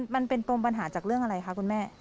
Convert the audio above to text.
มันเป็นปมปัญหาจากเรื่องอะไรคะคุณแม่